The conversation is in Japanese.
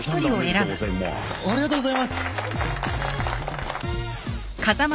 ありがとうございます！